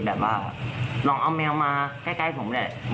แบบว่าลองเอาแมวมาใกล้ผมแหละ